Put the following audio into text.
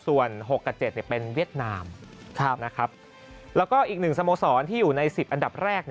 ส่วน๖กับ๗เป็นเวียดนามแล้วก็อีก๑สโมสรที่อยู่ใน๑๐อันดับแรก